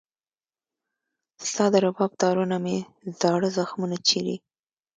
ستا د رباب تارونه مې زاړه زخمونه چېړي